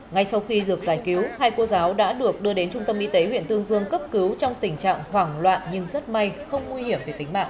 ngay sau khi được giải cứu hai cô giáo đã được đưa đến trung tâm y tế huyện tương dương cấp cứu trong tình trạng hoảng loạn nhưng rất may không nguy hiểm về tính mạng